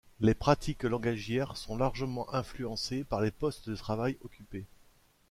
Les pratiques langagières sont largement influencées par les postes de travail occupés.